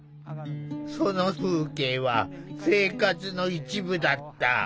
その風景は生活の一部だった。